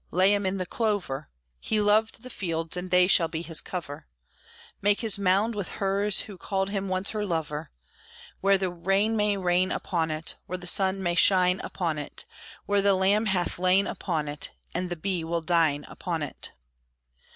lay him in the clover; He loved the fields, and they shall be his cover; Make his mound with hers who called him once her lover: Where the rain may rain upon it, Where the sun may shine upon it, Where the lamb hath lain upon it, And the bee will dine upon it.